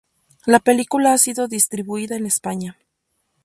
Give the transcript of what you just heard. La película ha sido distribuida en España.